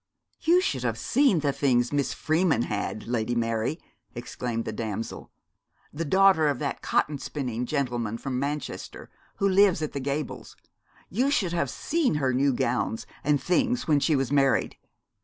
'You should have seen the things Miss Freeman had, Lady Mary,' exclaimed the damsel, 'the daughter of that cotton spinning gentleman from Manchester, who lives at The Gables you should have seen her new gowns and things when she was married.